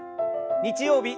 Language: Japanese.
日曜日